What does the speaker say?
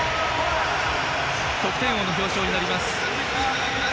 得点王の表彰になります。